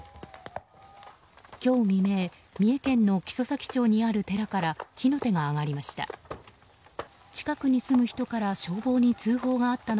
今日未明三重県の木曽岬町にある寺から火の手が上がりました。